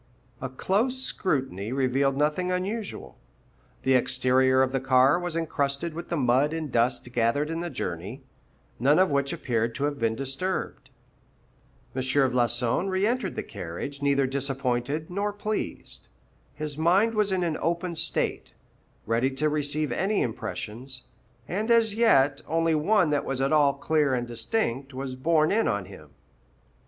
A close scrutiny revealed nothing unusual. The exterior of the car was encrusted with the mud and dust gathered in the journey, none of which appeared to have been disturbed. M. Floçon reëntered the carriage neither disappointed nor pleased; his mind was in an open state, ready to receive any impressions, and as yet only one that was at all clear and distinct was borne in on him.